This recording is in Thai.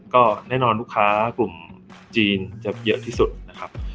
ก็แน่นอนลูกค้ากลุ่มจีนจะเยอะที่สุดนะครับ